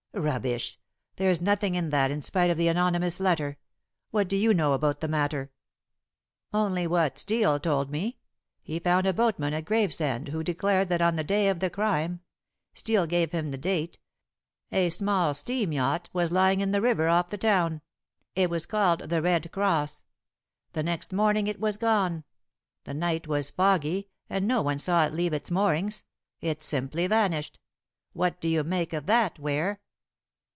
"Rubbish! There's nothing in that in spite of the anonymous letter. What do you know about the matter?" "Only what Steel told me. He found a boatman at Gravesend who declared that on the day of the crime Steel gave him the date a small steam yacht was lying in the river off the town. It was called The Red Cross. The next morning it was gone. The night was foggy, and no one saw it leave its moorings. It simply vanished. What do you make of that, Ware?"